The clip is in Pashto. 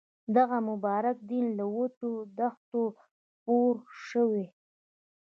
دغه مبارک دین له وچو دښتو خپور شوی.